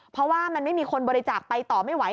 เพราะว่ามันไม่มีคนบริจาคไปต่อไม่ไหว